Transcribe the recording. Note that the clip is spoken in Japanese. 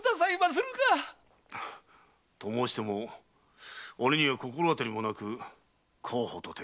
と申しても俺には心当たりもなく候補とて。